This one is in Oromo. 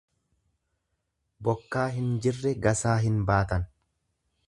Bokkaa hin jirre gasaa hin baatan.